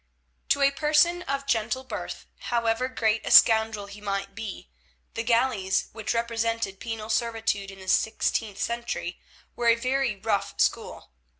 To a person of gentle birth, however great a scoundrel he might be, the galleys, which represented penal servitude in the sixteenth century, were a very rough school.